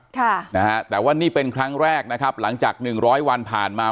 ค่ะนะฮะแต่ว่านี่เป็นครั้งแรกนะครับหลังจากหนึ่งร้อยวันผ่านมา